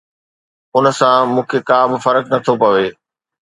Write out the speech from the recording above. ان سان مون کي ڪا به فرق نه ٿو پوي